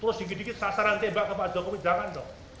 terus dikit dikit sasaran tembak ke pak jokowi jangan dong